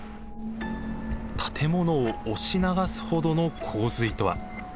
建物を押し流すほどの洪水とは。